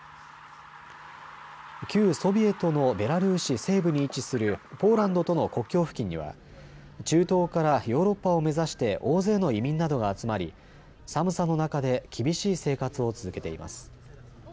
旧ソビエトのベラルーシ西部に位置するポーランドとの国境付近には中東からヨーロッパを目指して大勢の移民などが集まり寒さの中で厳しい生活を続けています。